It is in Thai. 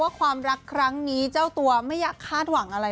ความรักครั้งนี้เจ้าตัวไม่อยากคาดหวังอะไร